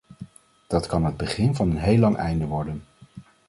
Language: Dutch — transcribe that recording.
Dat kan het begin van een heel lang einde worden.